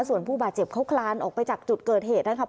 ส่วนผู้บาดเจ็บเขาคลานออกไปจากจุดเกิดเหตุนะครับ